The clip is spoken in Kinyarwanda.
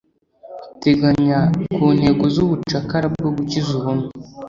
teganya ku ntego z'ubucakara bwo gukiza ubumwe